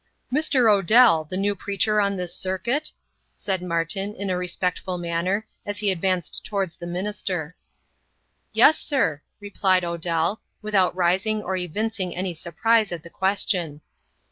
"Mr. Odell, the new preacher on this circuit?" said Martin, in a respectful manner, as he advanced towards the minister. "Yes, sir," replied Odell, without rising or evincing any surprise at the question.